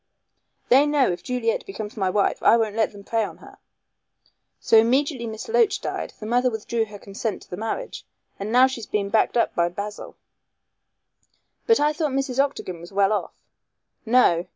They know if Juliet becomes my wife I won't let them prey on her, so immediately Miss Loach died the mother withdrew her consent to the marriage, and now she is being backed up by Basil." "But I thought Mrs. Octagon was well off?" "No.